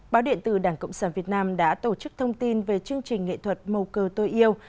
báo điện tử đảng cộng sản việt nam đã tổ chức thông tin về chương trình nghệ thuật màu cơ tôi yêu